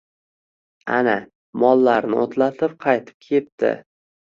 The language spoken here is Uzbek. Ana, mollarini oʻtlatib qaytib kepti